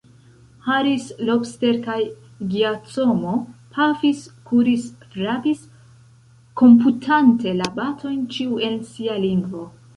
Harris, Lobster kaj Giacomo pafis, kuris, frapis, komputante la batojn, ĉiu en sia lingvo.